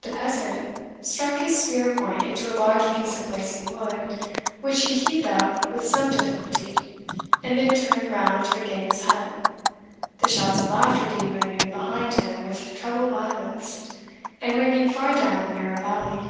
The peasant struck his spear point into a large piece of blazing wood, which he heaved up with some difficulty, and then turned round to regain his hut, the shouts of laughter being renewed behind him with treble violence, and ringing far down the narrow valley.